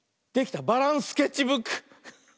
「バランスケッチブック」！